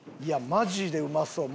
マジでうまそう。